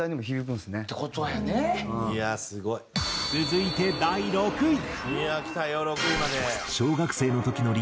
続いて第６位。